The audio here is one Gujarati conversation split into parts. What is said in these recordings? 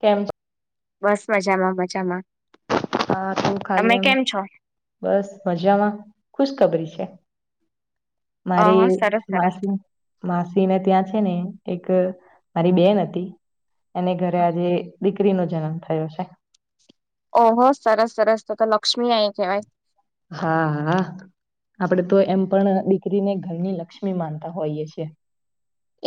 કેમ છ બસ મજામાં મજામાં. હા તું તમે ખાલી એમ કેમ છો બસ મજામાં ખુશખબરી છે. અહ મારી સરસ સરસ માસી માસી ને ત્યાં છે ને એક મારી બેન હતી એને ઘરે આજે દીકરીનો જન્મ થયો છે. ઓહો સરસ સરસ તો તો લક્ષ્મી આઈ કેવાય. હા હા. આપણેે તો એમ પણ દીકરીને ઘરની લક્ષ્મી માનતા હોઈએ છીએ.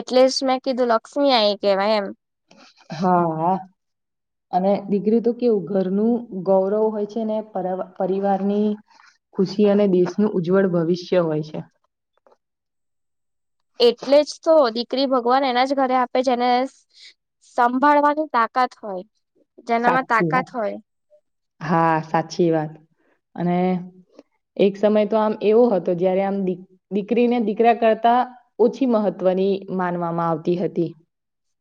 એટલે જ મેં કીધું લક્ષ્મી આઈ કેવાય એમ હા અને દીકરી તો કેવું ઘરનું ગૌરવ હોય છે ને પરિવારની ખુશી અને દેશનું ઉજ્જવળ ભવિષ્ય હોય છે એટલે જ તો દીક ક્રી ભગવાન એના જ ઘરે આપે જેને સંભાળવાની તાકાત હોય જેનામાં સાચી તાકાત વાત હોય હા સાચી વાત અને એક સમય તો આમ એવો હતો જયારે આમ દીકરીને દીકરા કરતા ઓછી મહત્વ બની માનવામાં આવતી હતી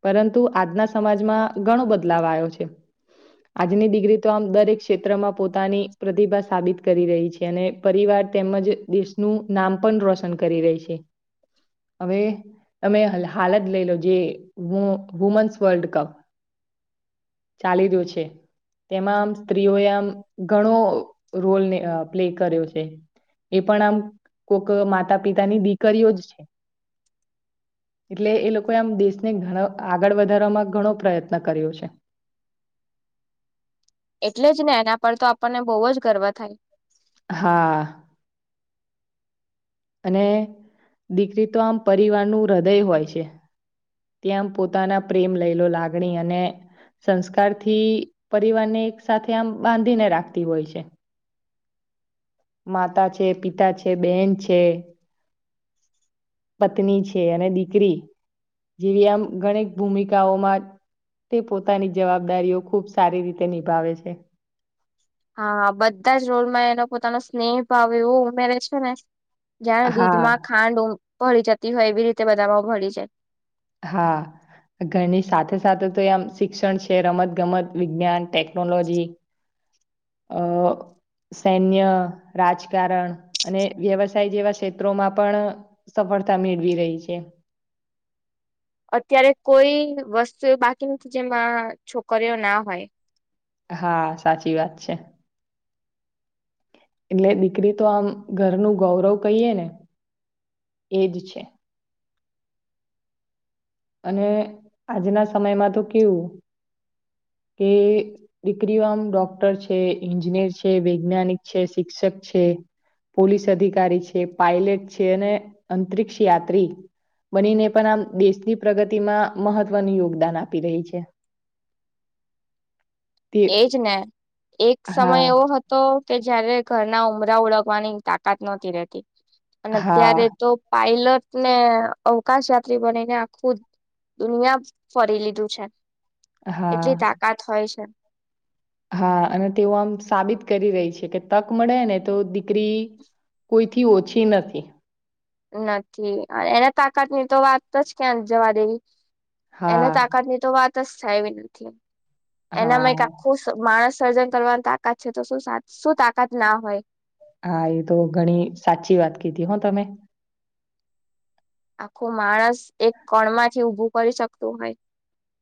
પરંતુ આજના સમાજમાં ઘણો બદલાવ આવ્યો છે આજની દિકરી તો આમ દરેક ક્ષેત્રમાં પોતાની પ્રતિભા સાબિત કરી રહી છે અને પરિવાર તેમ જ દેશનું નામ પણ રોશન કરી રહી છે હવે તમે હાલ જ લઈ લો જે વુમન્સ વર્લ્ડ કપ ચાલી રહ્યું છે તેમાં આમ સ્ત્રીઓએ આમ ઘણો રોલને પ્લે કર્યો છે એ પણ આમ કોક માતા પિતાની દીકરીઓ જ છે એટલે એ લોકોએ આમ દેશને ઘણા આગળ વધારવામાં ઘણો પ્રયત્ન કર્યો છે એટલે જ ને એના પર તો આપણને બહુ જ ગર્વ થાય હા અને દીકરી તો આમ પરિવારનું હૃદય હોય છે ત્યા પોતાના પ્રેમ લઈ લો લાગણી અને સંસ્કાર થી પરિવારને એક સાથે આમ બાંધીને રાખતી હોય છે માતા છે પિતા છે બેન છે પત્ની છે અને દીકરી જેવી આમ ગણીક ભૂમિકાઓમાં તે પોતાની જવાબદારીઓ ખૂબ સારી રીતે નિભાવે છે હા બધા જ રોલમાં એનો પોતાનો સ્નેહ ભાવ એવો ઉમેરે છે ને જ્યા હા દૂધમાં ખાંડ ભરી જતી હોય એવી રીતે બધામાં ભળી જાય હા ઘરની સાથે સાથે તો આમ શિક્ષણ છે રમત ગમત વિજ્ઞાન ટેકનોલોજી અ સૈન્ય રાજકારણ અને વ્યવસાય જેવા ક્ષેત્રોમાં પણ સ સફળતા મેળવી રહી છે અત્યારે કોઈ વસ્તુ એ બાકી નથી જેમાં છોકરીઓ ના હોય હા સાચી વાત છે એટલે દીકરી તો આમ ઘરનું ગૌરવ કહીએ ને એ જ છે અને આજના સમયમાં તો કેવું કે દીકરીઓ આમ ડોક્ટર છે એન્જિનિયર છે વૈજ્ઞાનિક છે શિક્ષક છે પોલીસ અધિકારી છે પાયલટ છે અને અંતરિક્ષ યાત્રી બનીને પણ આમ દેશની પ્રગતિમાં મહત્વનું યોગદાન આપી રહી છે તે એજ ને એક સમય હા એવો હતો કે જયારે ઘરના ઉમરા ઓળખવાની તાકાત નહોતી રહેતી અને અત્યારે હા તો પાયલટ ને અવકાશ યાત્રી બનીને આખું દુનિયા ફરી લીધું છે હા એટલી તાકાત હોય છે હા અને તેઓ આમ સાબિત કરી રહી છે કે તક મળે ને તોી દીકરી કોઈથી ઓછી નથી નથી અને એને તાકાત ની તો વાત જ ક્યાં જવા દેવી હા એને તાકાતની તો વાત જ થાયવી નથી હા એનામાં એક આખો માણસ સર્જન કરવાની તાકાત છે તો શ શું તાકાત ના હોય હા એ તો ઘણી સાચી વાત કીધી હો તમે આખું માણસ એક કણમાંથી ઉઊભું કરી શકતું હોય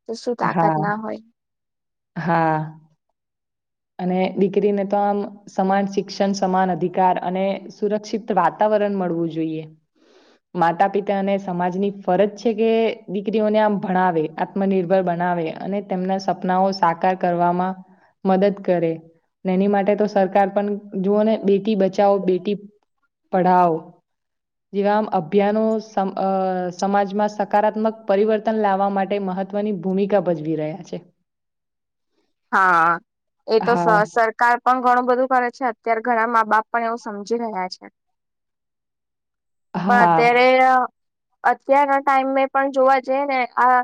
તો શું તાકાત હા ના હોય હા અને દીકરીને તો આમ સમાન શિક્ષણ સમાન અધિકાર અને સુરક્ષિત વાતાવરણ મળવું જોઈએ માતા પિતા અને સમાજની ફરજ છે કે દીકરીઓને આમ ભણાવે આત્મનિર્ભર બને અને તેમના સપનાઓ સાકાર કરવામાં મદદ કરે એની માટે તો સરકાર પણ જુઓ ને બ બેટી બચાઓ બેટી પઢાઓ જેવામ અભિયાનો સમાજમાં સકારાત્મક પરિવર્તન લાવવા માટે મહત્વ ની ભૂમિકા ભજવી રહ્યા છે હા એ તો હા, સરકાર પણ ઘણું બધું બ છે અત્યારે ઘણા મા બાપ પણ એવું સમજી રહ્યા છે પણ હા, અત્યારે અત્યારના ટાઈમ મે પણ જોવા જઈએ ને આ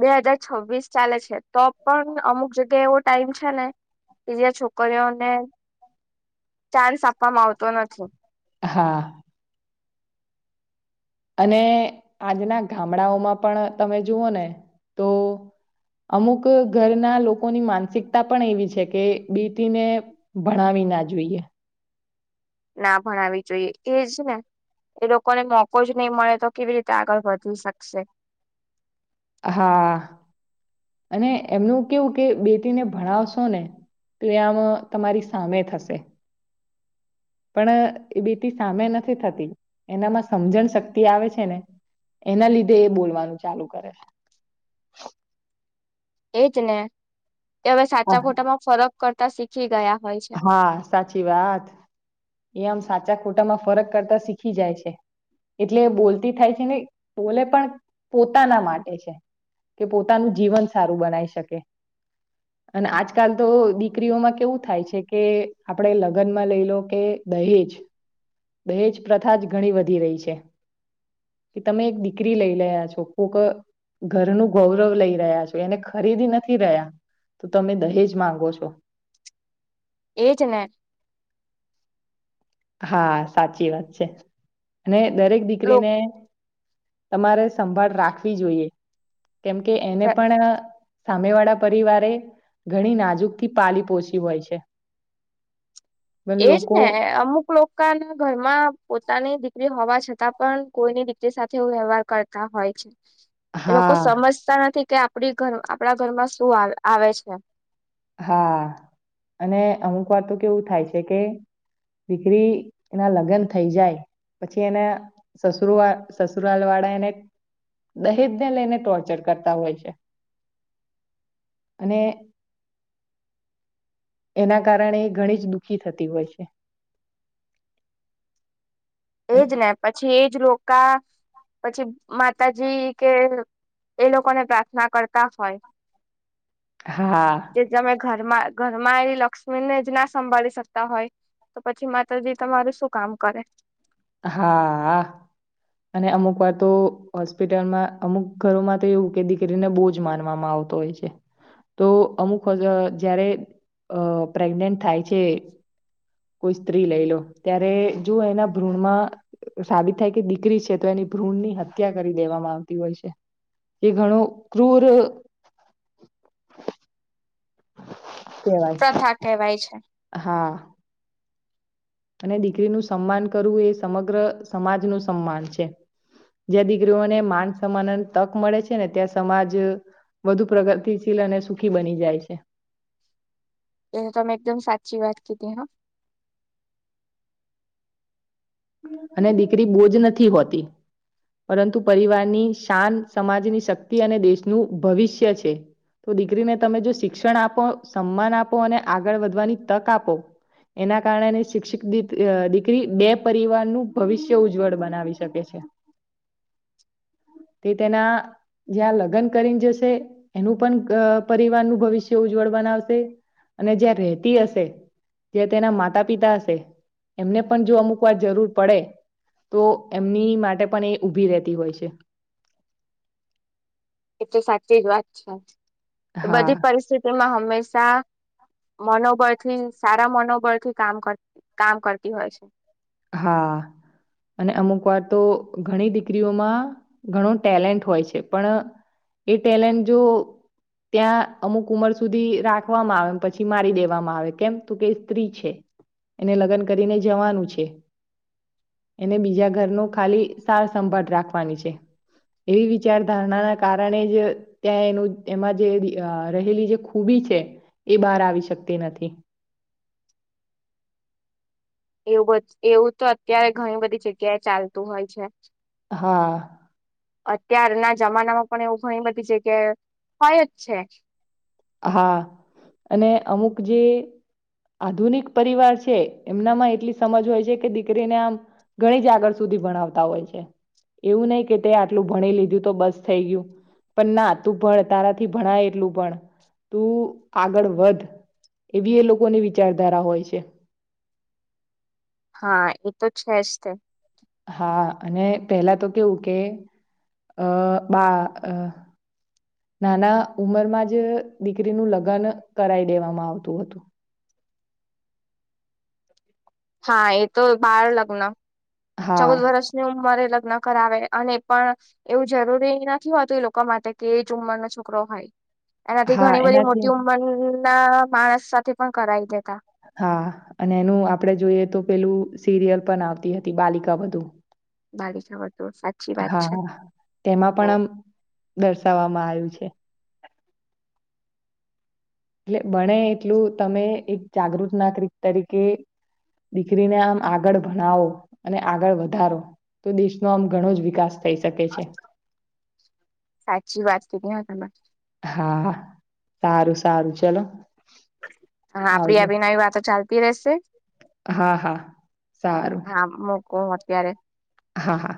બે હાજાર છવ્વીસ ચાલે છે તો પણ અમુક જગ્યા એવો ટાઈમ છે ને કેી જ્યા છોકરીઓને ચાન્સ આપવામાં આવતો નથી હા અને આજના ગામડાઓમાં પણ તમે જુઓ ને તો અમુક ઘરના લોકોની માનસિકતા પણ એવી છે કે બીટીને ભણાવી ના જોઈએ ના ભણાવી જોઈએ એજ ને એ લોકોને મોકો જ નહીં મળે તો કેવી રીતે આગળ વધી શકશે હા અને એમનું કેવું કે બેટીને ભણાવશો ને ત આમ તમારી સામે થશે પણ એ બીટી સામે નથી થતી એનામાં સમજણ શક્તિ આવે છે ને એના લીધે એ બોલવાનું ચાલુ કરે છે [unintelligible] એજ ને એ હવે સાચા ખોટા માં ફરક કરતા શીખી ગયા હોય છે હા સાચી વાત એમ સાચા ખોટામાં ફરક કરતા શીખી જાય છે એટલે બોલતી થાય છે, ને બોલે પણ પોતાના માટે છે. કે પોતાનું જીવન સારું બનાઈ શકે અને આજકાલ તો દીકરીઓમાં કેવું થાય છે. જે કે આપણે લગ્નમાં લઈ લો કે દહેજ દહેજ પ્રથા જ ઘણી વધી રહી છે. કે તમે એક દીકરી લઈ લ્યા છો કોક ઘરનું ગૌરવ લઈ રહ્યા છો એને ખરીદી નથી રહ્યા તો તમે દહેજ માંગો છો એ જ ને હા સાચી વાત છે, અને દરેક દીકરીને લોક તમારે સંભાળ રાખવી જોઈએ કેમ કે એને પણ સામે વાળા પરિવારે ઘણી નાજુકથી પાલી પોછી હોય છે. પણ એજ લોકો ને અમુક લોકોના ઘરમાં પોતાની દીકરી હોવા છતાં પણ કોઈની દીકરી સાથે એવું વ્યવહાર કરતા હોય છે. એ લોકો હા, સમજતા નથી કે આપડી ઘર આપણા ઘરમાં શું આવે છે. હા અને અમુક વાર તો કેવું થાય છે, કે દીકરી એના લગ્ન થઈ જાય પછી એના સસરુવાળ સસુરાલ વાળા એને દહેજ ને લઈને ટોર્ચર કરતા હોય છે. અને. એના કારણે એ ઘણી જ દુઃખી થતી હોય છે. અન એજ ને પછી એજ લોકા પછી માતાજી કે એ લોકોને પ્રાર્થના કરતા હોય હા. જે તમે ઘરમાં ઘરમાં એ લક્ષ્મી ને જ ના સંભાળી શકતા હોય તો પછી માતાજી તમારું શું કામ કરે હા. અને અમુક વાર તો હોસ્પિટલમાં અમુક ઘરોમાં તો એવું કે દીકરીને બો જ માનવામાં આવ આવતો હોય છે. તો અમુક જ્યારે અ પ્રેગનેન્ટ થાય છે. કોઈ સ્ત્રી લઈ લો ત્યારે જો એના ભ્રૂણમાં સાબિત થાય કે દીકરી છે, તો એની ભ્રૂણની હત્યા કરી દેવામાં આવતી હોય છે. એ ઘણો ક્રૂર કહેવાય પ્રથા કહેવાય છે. હા. અને દીકરીનું સન્માન કરવું એ સમગ્ર સમાજનું સન્માન છે. જ્યાં દીકરીઓને માન સમાન અને તક મળે છે, ને ત્યાં સમાજ વધુ પ્રગતિશીલ અને સુખી બની જાય છે. એ તમે એકદમ સાચી વાત કીધી હા અને દીકરી બોજ નથી હોતી પરંતુ પરિવારની શાન સમાજની શક્તિ અને દેશનું ભવિષ્ય છે. તો દીકરીને તમે જો શિક્ષણ આપો સન્માન આપો અને આગળ વધવાની તક આપો એના કારણે એની શિક્ષિત દી અ દીકરી બે પરિવારનું ભવિષ્ય ઉજ્જવળ બનાવી શકે છે. તે તેના જ્યાં લગ્ન કરીને જશે એનું પણ પરિવારનું ભવિષ્ય ઉજવ વળ બનાવશે અને જ્યાં રેતી હશે જે તેના માતા પિતા હશે એમને પણ જો અમુક જરૂર પડે, તો એમની માટે પણ એ ઉઊભી રહેતી હોય, છે. એ તો સાચી જ વાત છે, હા બધી પરિસ્થિતિમાં હમેશા મનોબળથી, સારા મનોબળથી કામ કર કામ કરતી હોય છે. હા અને અમુક વાર, તો ઘણી દીકરીઓમાં ઘણો ટેલેન્ટ હોય છે, પણ એ ટેલેન્ટ જો ત્યા અમુક ઉંમર સુધી રાખવામાં આવે પછી મારી દેવામાં આવે, કેમ તુ કે સ્ત્રી છે. એને, લગ્ન કરીને જવાનું છે. એને બીજા, ઘરનુ ખાલી સાર સંંભાળ રાખવાની છે. એવી, વિચારધારણા ના કારણે જ ત્યા એનું એમાં જે, રહેલી જે ખૂબી બાર આવી, શ નથી. એવુ, એવુ, તો અત્યારે ઘણી બધી જગ્યાએ ચાલતું હોય છે. હા અત્યારના જમાનામાં પણ એવું ઘણી બધી જગ્યા હોય, જ છે. હા, અને અમુક જે આધુનિક પરિવાર છે, એમનામાં એટલી સમજ હોય છે. કે દીકરીને આમ ઘણી જ આગળ સુધી ભણાવતા હોય, છે. એવું નહી, કે તે આટલું ભણી લીધું તો બસ થઈ ગયુ. પણના તુ, ભણ તારાથી ભણાય એટલું પણ તુ આગળ વધ એવી એ લોકોની વિચારધારા હોય, છે. [inaudible] હા, એ તો છે. જ તે હા, અને પેલા તો, કેવુ કે અ બા નાના ઉમરમા, જ દીકરીનું લગ્ન કરાઈ દેવામાં આવતું હતુ હા, એ તો બાર લગ્ન હા ચૌદ વર્ષની, ઉમરે લગ્ન કરાવે, અને પણ એવું જરૂરી નથી હોતુ. એ લોકો માટે કે એ જ ઉંમરનો છોકરો હોય એનાથી, હા ઘણી બધી એનાથી મોટી ઉંમર ના માણસ સાથે પણ કરી દેતા હા, અને એનુ આપડે જોઈએ તો પેલું સિરિયલ પણ આવતી હતી બાલિકા બધુ. બાલિકા વર્તુળ સાચી વાત હા, છે હ તેમા પણ આમ દર્શાવવામા આવ્યુ છે. એટલે બણે એટલુ, તમે એક જાગૃત નાગરિક તરીકે દીકરીને, આમ આગળ ભણાવો અને આગળ વધારો તો દેશનો આમ ઘણો જ વિકાસ થઈ શકે છે. સાચી વાત છે, ક તમે હા, સારુ સારુ ચલો હા, આપડી આવજો. આવી નવી વાતો ચાલતી રહેશે હા, હા સારુ કોણ અત્યારે હા, હા